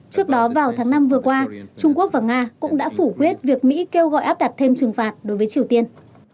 trước đó vào tháng năm vừa qua trung quốc và nga cũng đã phủ quyết việc mỹ kêu gọi áp đặt thêm trừng phạt đối với triều tiên